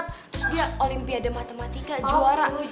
terus dia olimpiade matematika juara